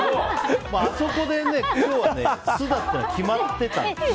あそこでね、今日は酢だって決まってたの。